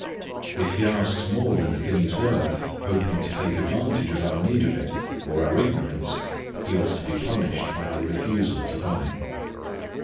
If he asks more than a thing is worth, hoping to take advantage of our need of it or our ignorance, he ought to be punished by our refusal to buy.